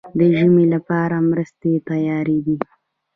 د ژمي لپاره مرستې تیارې دي؟